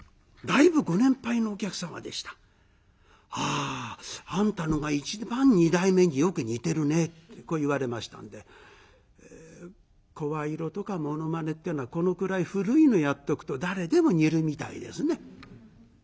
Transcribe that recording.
「ああんたのが一番二代目によく似てるね」ってこう言われましたので声色とかものまねっていうのはこのくらい古いのやっとくと誰でも似るみたいですね。